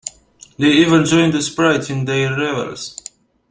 They even joined the sprites in their revels.